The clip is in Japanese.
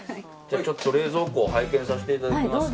ちょっと冷蔵庫を拝見させていただきます。